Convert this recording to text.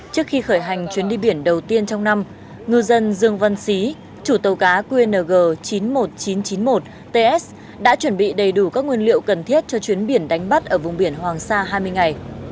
trước khi khởi hành chuyến đi biển đầu tiên trong năm ngư dân dương văn xí chủ tàu cá qng chín mươi một nghìn chín trăm chín mươi một ts đã chuẩn bị đầy đủ các nguyên liệu cần thiết cho chuyến biển đánh bắt ở vùng biển hoàng sa hai mươi ngày